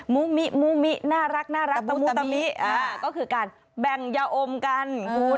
มุมิน่ารักตมุตมิก็คือการแบ่งยอมกัน